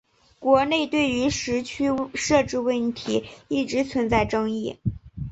国内对于时区设置问题一直存在争议。